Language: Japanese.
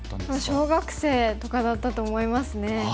小学生とかだったと思いますね。